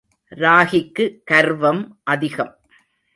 ராகிக்கு கர்வம் அதிகம்.